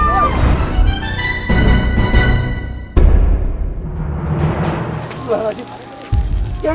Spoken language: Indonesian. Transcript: nyaaku berujaan lagi aku kalo pulang kemana